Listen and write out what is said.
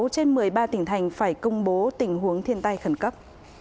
sáu trên một mươi ba tỉnh thành phải công bố tình huống thiên tai khẩn cấp